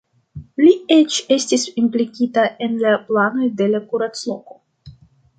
Li eĉ estis implikita en la planoj de la kuracloko.